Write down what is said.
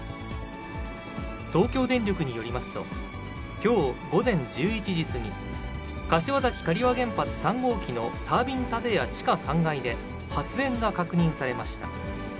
東京電力によりますと、きょう午前１１時過ぎ、柏崎刈羽原発３号機のタービン建屋地下３階で、発煙が確認されました。